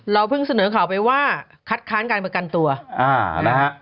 เพิ่งเสนอข่าวไปว่าคัดค้านการประกันตัวนะฮะ